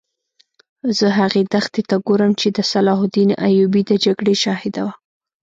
زه هغې دښتې ته ګورم چې د صلاح الدین ایوبي د جګړې شاهده وه.